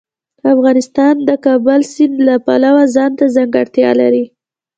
افغانستان د د کابل سیند د پلوه ځانته ځانګړتیا لري.